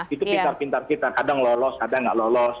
itu pintar pintar kita kadang lolos kadang nggak lolos